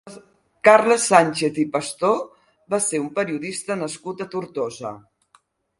Carles Sánchez i Pastor va ser un periodista nascut a Tortosa.